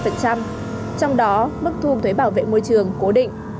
trong đó mức thu thuế bảo vệ môi trường cố định